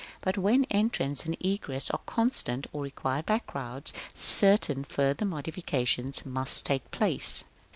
But when entrance and egress are constant, or required by crowds, certain further modifications must take place.